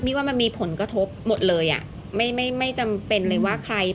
มีผลกระทบหมดเลยไม่จำเป็นเลยว่าใคร